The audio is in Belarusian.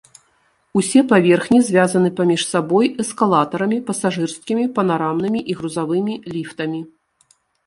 Усе паверхі звязаны паміж сабой эскалатарамі, пасажырскімі, панарамнымі і грузавымі ліфтамі.